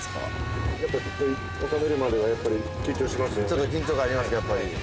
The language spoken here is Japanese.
ちょっと緊張感ありますかやっぱり。